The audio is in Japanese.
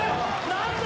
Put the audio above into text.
何だ